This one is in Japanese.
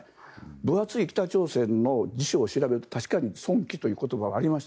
分厚い北朝鮮の辞書を調べると確かに尊貴という言葉はありました。